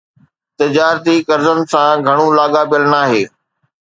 تجارتي قرضن سان گهڻو لاڳاپيل ناهي